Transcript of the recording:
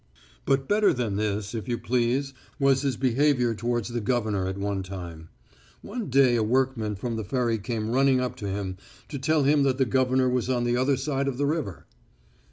But better than this, if you please, was his behaviour towards the Governor at one time. One day a workman from the ferry came running up to him to tell him that the Governor was on the other side of the river.